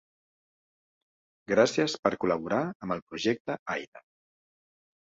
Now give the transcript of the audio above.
Gràcies per col·laborar amb el projecte Aina!